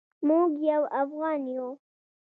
موږ یو افغان یو